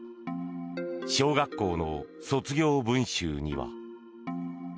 小学校の卒業文集には。